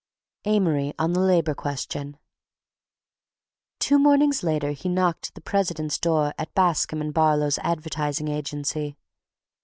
AMORY ON THE LABOR QUESTION Two mornings later he knocked at the president's door at Bascome and Barlow's advertising agency.